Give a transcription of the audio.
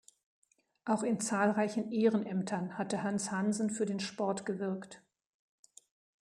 Auch in zahlreichen Ehrenämtern hatte Hans Hansen für den Sport gewirkt.